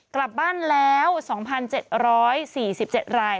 กลับบ้านแล้ว๒๗๔๗ราย